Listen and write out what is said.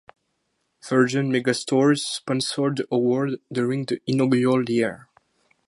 Virgin Megastores sponsored the award during the inaugural year.